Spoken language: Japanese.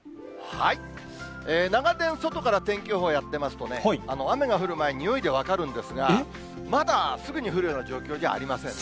長年、外から天気予報をやってますとね、雨が降る前、匂いで分かるんですが、まだすぐに降るような状況にはありませんね。